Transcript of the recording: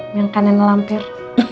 yang kanan lampir